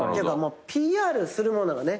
ＰＲするものがね